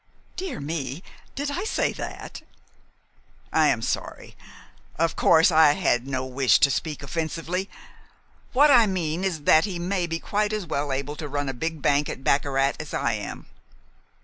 "Dear me! Did I say that?" "I am sorry. Of course, I had no wish to speak offensively. What I mean is that he may be quite as well able to run a big bank at baccarat as I am."